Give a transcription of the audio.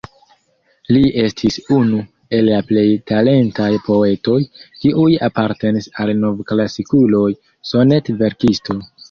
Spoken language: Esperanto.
Li estis unu el la plej talentaj poetoj, kiuj apartenis al nov-klasikuloj, sonet-verkisto.